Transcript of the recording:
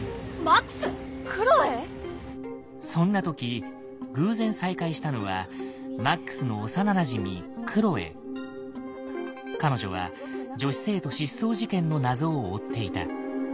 そんな時偶然再会したのは彼女は女子生徒失踪事件の謎を追っていた。